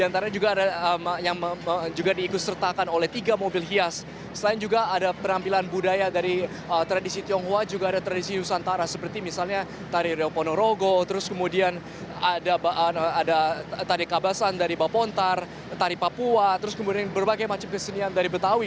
terus kemudian ada tarik kabasan dari bapontar tarik papua terus kemudian berbagai macam kesenian dari betawi